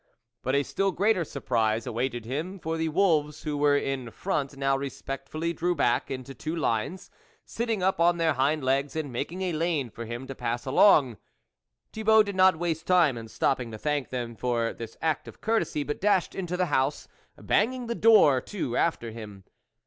But a still greater surprise awaited him, for the wolves who were in front now respectfully drew back into two lines, sitting up on their hind legs and making a lane for him to pass along. Thibault did not waste time in stopping to thank them for this act of courtesy, but dashed into the house, banging the door to after him.